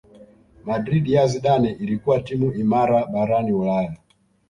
Madrid ya Zidane ilikuwa timu imara barani Ulaya